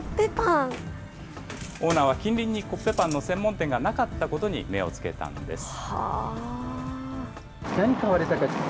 オーナーは近隣にコッペパンの専門店がなかったことに目をつけたんです。